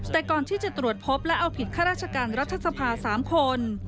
แต่ก่อนที่จะตรวจพบและเอาผิดข้าราชการรัฐสภา๓คน